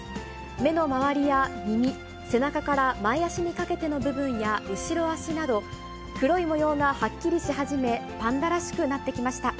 目の周りや耳、背中から前足にかけての部分や後ろ足など、黒い模様がはっきりし始め、パンダらしくなってきました。